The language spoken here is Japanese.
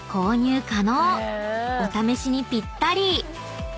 ［お試しにぴったり］